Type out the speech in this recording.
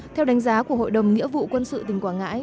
theo đánh giá của hội đồng nghĩa vụ quân sự tỉnh quảng ngãi